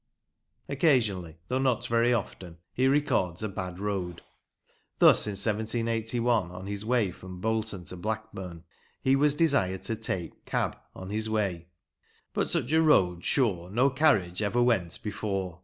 Occasionally, though not very often, he records a bad road. Thus in 1781, on his way from Bolton to Blackburn, he was desired to take " Kabb " on his way, " but such a road sure no carriage ever went before